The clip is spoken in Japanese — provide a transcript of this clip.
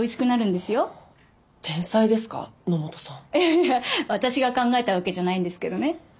いや私が考えたわけじゃないんですけどね。